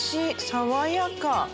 爽やか！